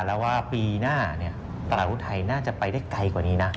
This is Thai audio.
แล้วว่าปีหน้าตลาดหุ้นไทยน่าจะไปได้ไกลกว่านี้นะ